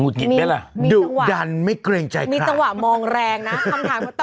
งูดหงิดไปล่ะดูดันไม่เกรงใจค่ะมีตระหวะมองแรงนะคำถาม